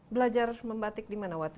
belajar membatik dimana waktu di